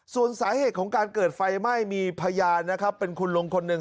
ส่วนสาเหตุของการเกิดไฟไหม้มีพยานนะครับเป็นคุณลุงคนหนึ่ง